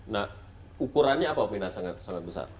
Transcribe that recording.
nah ukurannya apa peminat sangat besar